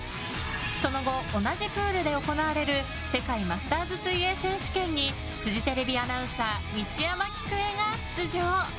その後、同じプールで行われる世界マスターズ水泳選手権にフジテレビアナウンサー西山喜久恵が出場。